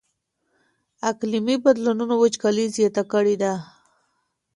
اقلیمي بدلونونو وچکالي زیاته کړې ده.